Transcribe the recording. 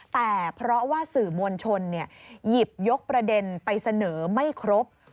แต่เพราะว่าสื่อมวลชนหยิบยกประเด็นไปเสนอไม่ครบ